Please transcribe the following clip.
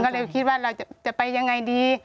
ก็เลยคิดว่าเราจะไปยังไงดี